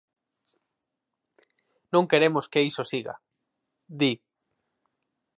"Non queremos que iso siga", di.